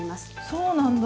そうなんだ！